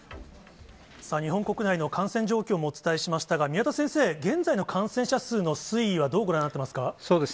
日本国内の感染状況もお伝えしましたが、宮田先生、現在の感染者数の推移はどうご覧になってますか。